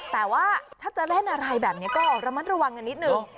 แต่ว่าถ้าจะเล่นอะไรแบบนี้ก็ระมัดระวังกันนิดนึง